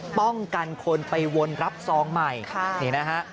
ป้องกันคนไปวนรับซองใหม่นี่นะฮะ